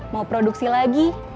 mau produksi lagi